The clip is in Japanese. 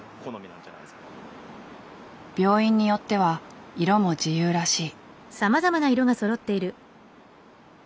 病院によっては色も自由らしい。